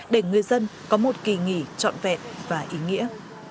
để người dân có một kỳ nghỉ trọn vẹn và ý nghĩa